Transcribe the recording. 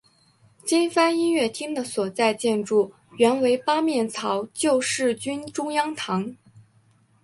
金帆音乐厅的所在建筑原为八面槽救世军中央堂。